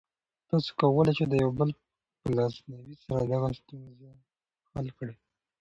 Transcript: تاسو کولی شئ د یو بل په لاسنیوي سره دغه ستونزه حل کړئ.